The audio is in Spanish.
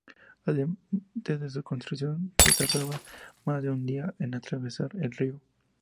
Antes de su construcción, se tardaba más de un día en atravesar el río.